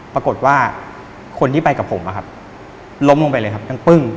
ปรากฏว่าคนที่ไปกับผมนะครับล้มลงไปเลยครับทั้งปึ้ง